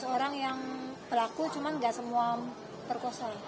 sebelas orang yang pelaku cuman gak semua berkosa